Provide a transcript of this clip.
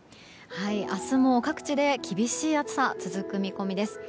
明日も各地で厳しい暑さ続く見込みです。